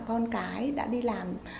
con cái đã đi làm